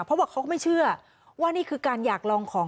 เพราะว่าเขาก็ไม่เชื่อว่านี่คือการอยากลองของ